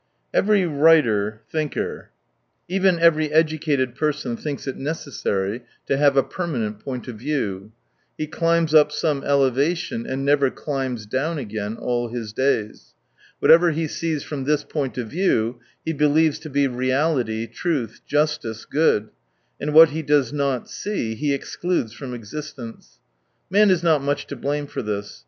— Every writer, thinker — even every educated person thinks it necessary to have a permanent point of view. He climbs up some elevation and never climbs down again all his days. What ever he sees from this point of view, he believes to be reality, truth, justice, good — and what he does not see he excludes from existence, Man is not much to blame for this.